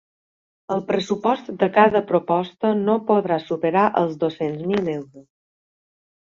El pressupost de cada proposta no podrà superar els dos-cents mil euros.